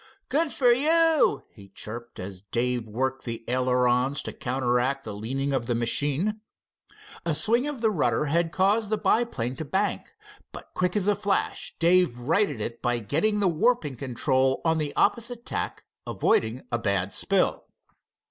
"Good for you!" he chirped, as Dave worked the ailerons to counteract the leaning of the machine. A swing of the rudder had caused the biplane to bank, but quick as a flash Dave righted it by getting the warping control on the opposite tack, avoiding a bad spill.